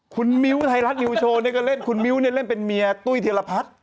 คุณมิ้วไทยรัฐนิวโชว์เนี่ยก็เล่นคุณมิ้วเล่นเป็นเมียตุ้ยธีรพัฒน์